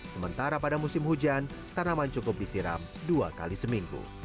sementara pada musim hujan tanaman cukup disiram dua kali seminggu